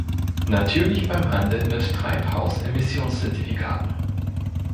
Natürlich beim Handel mit Treibhausgasemissionszertifikaten.